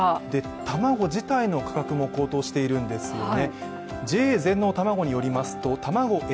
卵自体の価格も高騰しているんですよね。